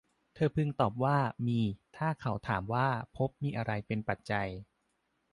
เธอพึงตอบว่า มีถ้าเขาถามว่า ภพมีอะไรเป็นปัจจัย